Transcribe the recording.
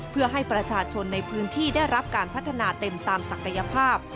เพื่อให้ประชาชนในพื้นที่ได้รับการพัฒนาเต็มตามศักยภาพ